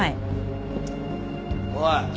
おい！